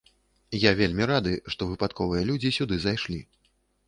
Я вельмі рады, што выпадковыя людзі сюды зайшлі.